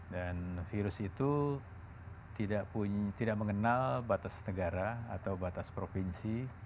dan virus itu tidak mengenal batas negara atau batas provinsi